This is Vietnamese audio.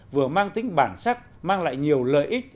vừa mang tính bản sắc mang lại nhiều lợi ích